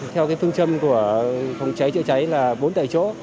theo phương châm của phòng cháy chữa cháy là bốn tại chỗ